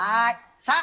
さあ